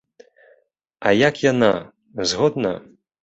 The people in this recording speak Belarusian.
А як яна, згодна?